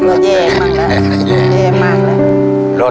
มันแย่มากเลย